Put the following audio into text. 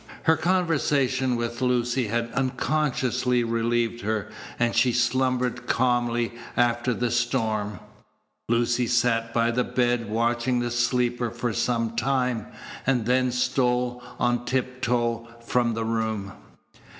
Her conversation with Lucy had unconsciously relieved her, and she slumbered calmly after the storm. Lucy sat by the bed watching the sleeper for some time, and then stole on tip toe from the room.